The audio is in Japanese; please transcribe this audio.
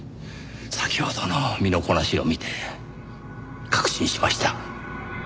先ほどの身のこなしを見て確信しました。